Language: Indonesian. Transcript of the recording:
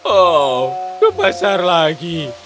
oh ke pasar lagi